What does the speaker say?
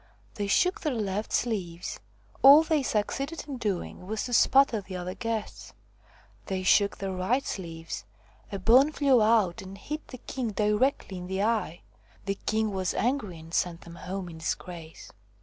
They shook their left sleeves all they succeeded in doing was to spatter the other guests ; they shook their right sleeves a bone flew out and hit the king directly in the eye. The king was angry and sent them home in disgrace.